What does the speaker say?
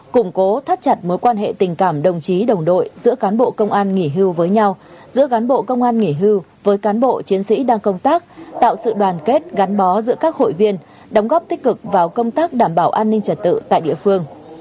củng cố thắt chặt mối quan hệ tình cảm đồng chí đồng đội giữa cán bộ công an nghỉ hưu với nhau giữa cán bộ công an nghỉ hưu với cán bộ chiến sĩ đang công tác tạo sự đoàn kết gắn bó giữa các hội viên đóng góp tích cực vào công tác đảm bảo an ninh trật tự tại địa phương